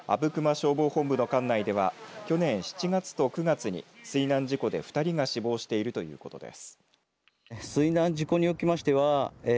消防本部の管内では去年７月と９月に水難事故で２人が死亡しているということです。